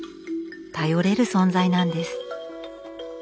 頼れる存在なんです。